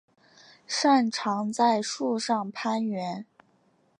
擅长在树上攀援。